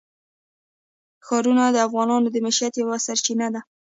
ښارونه د افغانانو د معیشت یوه سرچینه ده.